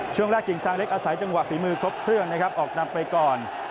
ช่วงแรกกิ่งซางเล็กอาศัยจังหวะฝีมือครบเครื่องนะครับออกนำไปก่อน